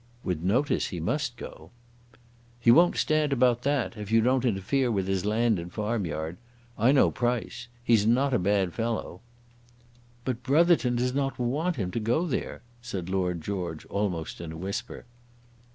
"With notice he must go." "He won't stand about that, if you don't interfere with his land and farm yard. I know Price. He's not a bad fellow." "But Brotherton does not want them to go there," said Lord George, almost in a whisper.